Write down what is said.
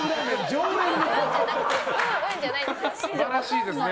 すばらしいですね。